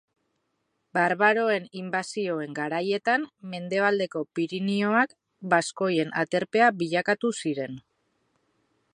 Barbaroen inbasioen garaietan mendebaldeko Pirinioak baskoien aterpea bilakatu ziren.